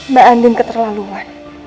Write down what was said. mbak andin keterlaluan